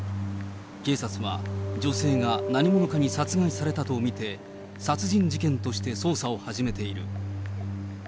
警察は女性が何者かに殺害されたと見て、殺人事件として捜査を始めている。